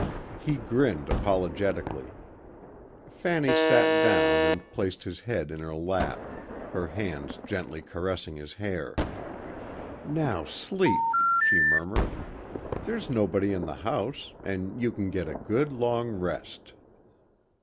He grinned apologetically. Fanny sat down and placed his head in her lap, her hands gently caressing his hair. "Now sleep," she murmured. "There's nobody in the house and you can get a good long rest."